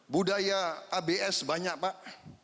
budaya abs banyak pak